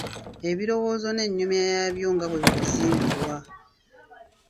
Ebirowoozo n’ennyumya yaabyo nga bwe bituzimbirwa